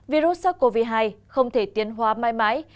virus sars cov hai không thể tiến hóa mãi mãi